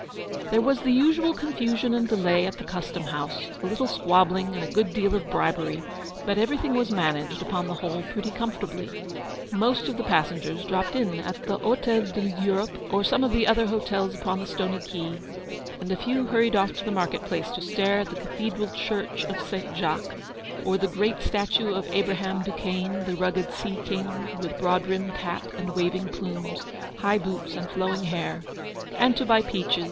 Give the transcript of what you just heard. There was the usual confusion and delay at the Custom house — a little squabbling and a good deal of bribery ; but everything was managed, upon the whole, pretty comfortably. Most of the passengers dropped in at the Hotel de l'Europe, or some of the other hotels upon the stony quay ; a few hurried off to the market place, to stare at the cathedral church of Saint Jacques, or the great statue of Abraham Duquesne, the rugged sea king, with broad brimmed hat and waving plumes, high boots and flowing hair, and to buy peaches GOING HOME.